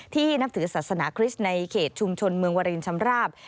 นับถือศาสนาคริสต์ในเขตชุมชนเมืองวารินชำราบ